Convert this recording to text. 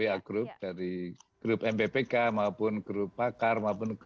ya group dari grup mbpk maupun grup pakar maupun grup